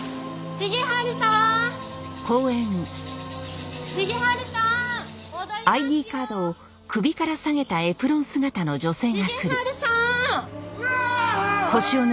重治さん！？